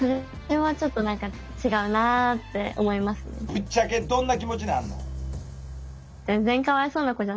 ぶっちゃけどんな気持ちになんの？